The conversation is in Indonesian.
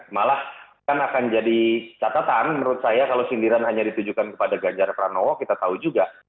malah kan akan jadi catatan menurut saya kalau sindiran hanya ditujukan kepada ganjar pranowo kita tahu juga